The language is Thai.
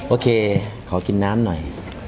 โอเคขอกินน้ำหน่อย